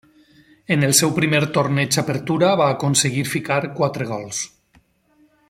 En el seu primer torneig Apertura va aconseguir ficar quatre gols.